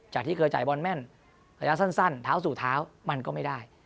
ที่เคยจ่ายบอลแม่นระยะสั้นเท้าสู่เท้ามันก็ไม่ได้